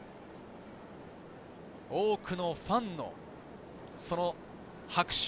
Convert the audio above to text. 多くのファンの拍手。